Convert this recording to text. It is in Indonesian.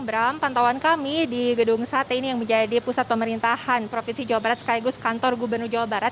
bram pantauan kami di gedung sate ini yang menjadi pusat pemerintahan provinsi jawa barat sekaligus kantor gubernur jawa barat